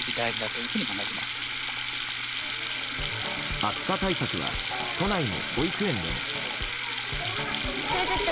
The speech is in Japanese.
暑さ対策は都内の保育園でも。